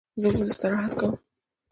زه اوس استراحت کوم.